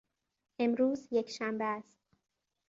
امروز یکشنبه است.